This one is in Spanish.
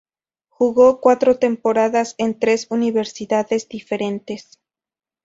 Jugó cuatro temporadas en tres universidades diferentes.